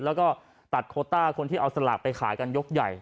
แล้วก็ตัดโคต้าคนที่เอาสลากไปขายกันยกใหญ่